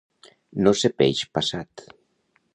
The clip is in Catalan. No ser peix passat.